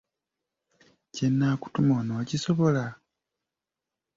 Kye nnaakutuma onookisobola?